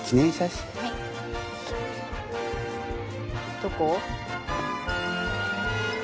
どこ？